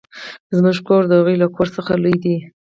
زموږ کور د هغوې له کور څخه لوي ده.